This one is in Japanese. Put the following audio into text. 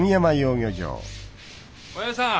おやじさん